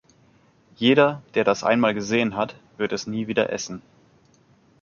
Jeder, der das einmal gesehen hat, wird es nie wieder essen.